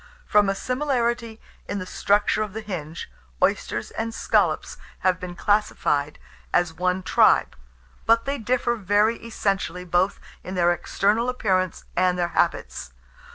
From a similarity in the structure of the hinge, oysters and scallops have been classified as one tribe; but they differ very essentially both in their external appearance and their habits.